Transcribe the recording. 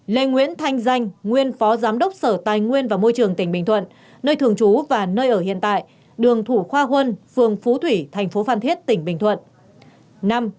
năm lê nguyễn thanh danh nguyên phó giám đốc sở tài nguyên và môi trường tỉnh bình thuận nơi thường trú và nơi ở hiện tại đường thủ khoa huân phường phú thủy thành phố phan thiết tỉnh bình thuận